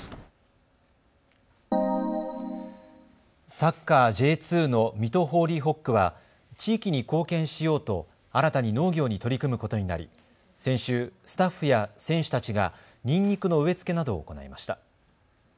サッカーＪ２の水戸ホーリーホックは地域に貢献しようと新たに農業に取り組むことになり先週、スタッフや選手たちがにんにくの植え付けなどを行いました。